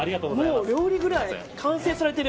料理ぐらい完成されてる。